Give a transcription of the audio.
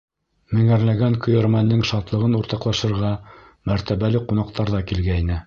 Меңәрләгән көйәрмәндең шатлығын уртаҡлашырға мәртәбәле ҡунаҡтар ҙа килгәйне.